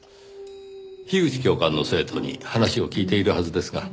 樋口教官の生徒に話を聞いているはずですが。